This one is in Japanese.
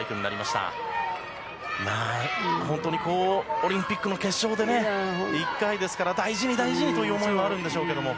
オリンピックの決勝でね１回ですから大事にという思いはあるんでしょうけど。